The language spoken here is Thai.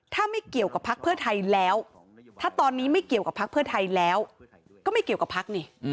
ถ้าไม่เกี่ยวกับพักเพื่อไทยแล้วถ้าตอนนี้ไม่เกี่ยวกับพักเพื่อไทยแล้วก็ไม่เกี่ยวกับพักนี่